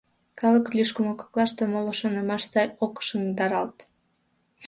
Калык лӱшкымӧ коклаште моло шонымаш сай ок шыҥдаралт.